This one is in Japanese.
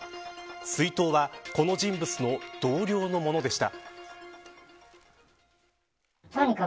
水筒は、この人物の同僚のものでした。